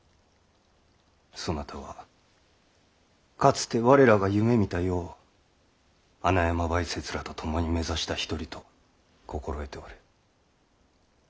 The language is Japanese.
そなたはかつて我らが夢みた世を穴山梅雪らと共に目指した一人と心得ておる。